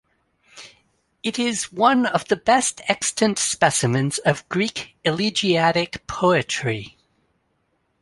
It is one of the best extant specimens of Greek elegiac poetry.